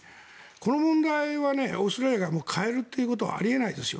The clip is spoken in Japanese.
この問題をオーストラリアが変えるということはあり得ないですよ。